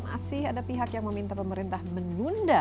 masih ada pihak yang meminta pemerintah menunda